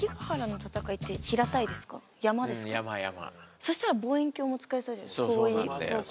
そしたら望遠鏡も使えそうじゃないですか。